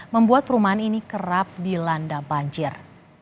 membuat perumahan ini kerap dilanda banjir